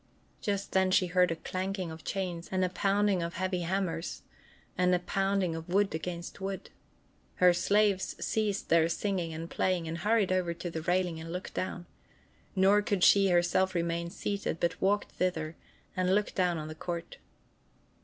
Just then she heard a clanking of chains and a pounding of heavy hammers, and the pounding of wood against wood. Her slaves ceased their singing and playing and hurried over to the railing and looked down. Nor could she herself remain seated, but walked thither and looked down on the court.